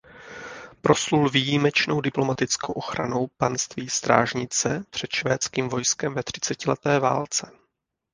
Proslul výjimečnou diplomatickou ochranou panství Strážnice před švédským vojskem ve třicetileté válce.